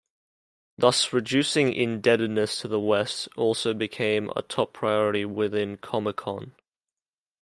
Thus, reducing indebtedness to the West also became a top priority within Comecon.